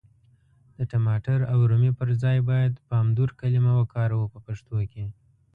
د ټماټر او رومي پر ځای بايد پامدور کلمه وکاروو په پښتو کي.